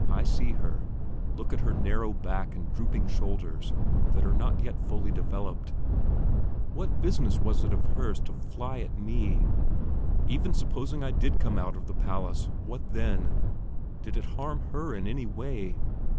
I look at her look at her narrow back and drooping shoulders, that are not yet fully developed. What business was it of hers to fly at me? Even supposing I did come out of the palace, what then? Did it harm her in any way?